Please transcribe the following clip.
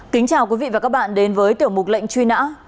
kính chào quý vị và các bạn đến với tiểu mục lệnh truy nã